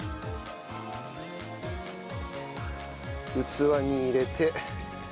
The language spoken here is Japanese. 器に入れて。